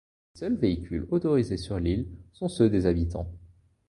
Les seuls véhicules autorisés sur l'île sont ceux des habitants.